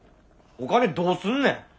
お金どうすんねん。